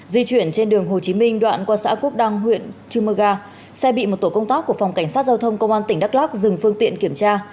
di chuyển trên đường hồ chí minh đoạn qua xã cúc đăng huyện trư mờ ga xe bị một tổ công tác của phòng cảnh sát giao thông công an tỉnh đắk lắc dừng phương tiện kiểm tra